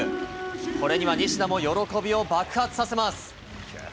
これには西田も喜びを爆発させます。